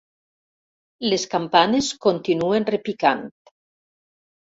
Les campanes continuen repicant.